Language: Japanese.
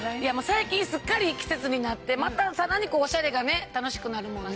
最近すっかりいい季節になってまたさらにオシャレが楽しくなるもんね。